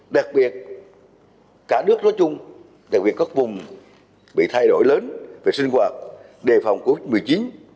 đặc biệt cả nước nói chung đặc biệt các vùng bị thay đổi lớn về sinh hoạt đề phòng covid một mươi chín